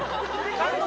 感動！